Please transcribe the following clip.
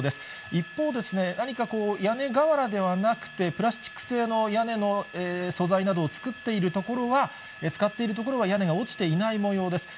一方ですね、何かこう、屋根瓦ではなくて、プラスチック製の屋根の素材などを作っている所は、使っている所は、屋根が落ちていないもようです。